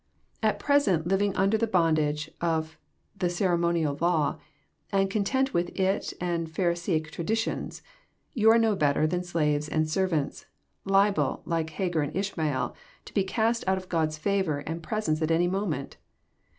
—'* At present^ living under the bondage of the ceremonial law, and content with it and Pharisaic traditions, you are no better than slaves and sen^ants, liable, like Hagar and Ishmacl, to be cast out of God's favour and presence at any moment.